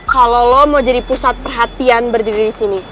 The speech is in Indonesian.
kalau lo mau jadi pusat perhatian berdiri di sini